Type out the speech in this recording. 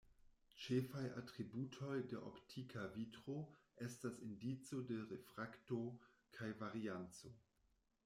Ĉefaj atributoj de optika vitro estas indico de refrakto kaj varianco.